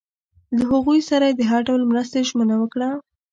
له هغوی سره یې د هر ډول مرستې ژمنه وکړه.